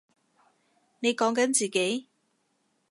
你講緊自己？